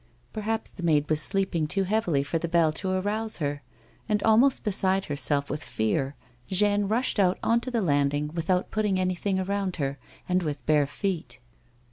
Perhaps the maid was sleeping too heavily for the bell to rouse her, and, almost beside herself with fear, Jeanne rushed out on to the landing without putting any thing round her, and with bare feet.